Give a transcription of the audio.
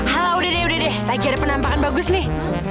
halo udah deh udah deh lagi ada penampakan bagus nih